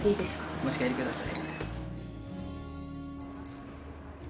お持ち帰りください。